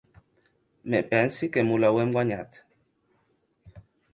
Me pensi que mo l'auem guanhat!